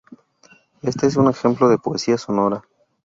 Este es un ejemplo de poesía sonora.